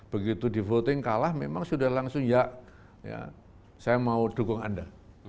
begitu di voting kalah memang sudah langsung ya saya mau dukung anda